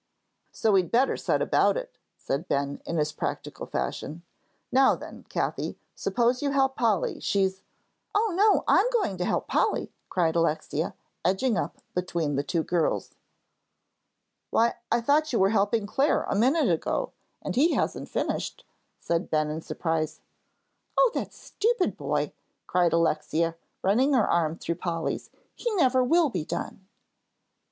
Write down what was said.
"So we'd better set about it," said Ben, in his practical fashion. "Now then, Cathie, suppose you help Polly, she's " "Oh, no, I'm going to help Polly," cried Alexia, edging up between the two girls. "Why, I thought you were helping Clare a minute ago, and he hasn't finished," said Ben, in surprise. "Oh, that stupid boy," cried Alexia, running her arm through Polly's, "he never will be done."